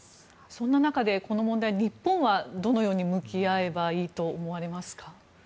そんな中で、この問題日本はどのように向き合えばいいと思いますか。